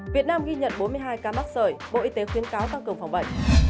việt nam ghi nhận bốn mươi hai ca mắc sởi bộ y tế khuyến cáo tăng cường phòng bệnh